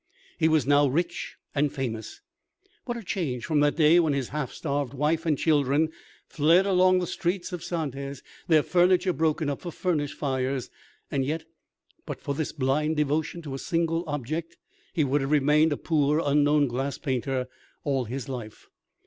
He was now rich and famous. What a change from that day when his half starved wife and children fled along the streets of Saintes, their furniture broken up for furnace fires! And yet, but for this blind devotion to a single object, he would have remained a poor, unknown glass painter all his life.